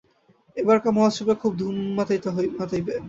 এবারকার মহোৎসবে খুব ধুম মাতাইবে।